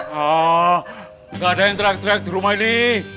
gak ada yang teriak teriak di rumah ini